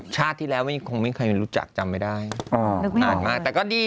ชาติทีแล้วนี่คงเคยรู้จักจำไม่ได้